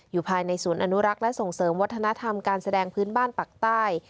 อยู่ในศูนย์อนุรักษ์และส่งเสริมวัฒนธรรมการแสดงพื้นบ้านปักใต้